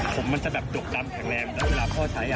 ผมมันจะแดบดูกดำแข็งแรงพ่อพ่อใช้ก็แวะ